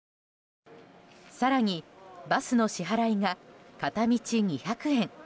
更に、バスの支払いが片道２００円。